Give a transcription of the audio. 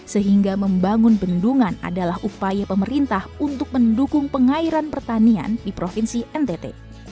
sehingga membangun bendungan adalah upaya pemerintah untuk mendukung pengairan pertanian di provinsi ntt